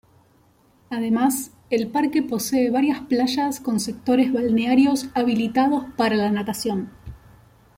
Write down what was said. Además el parque posee varias playas con sectores balnearios habilitados para la natación.